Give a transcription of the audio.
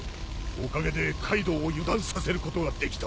おかげでカイドウを油断させることができた。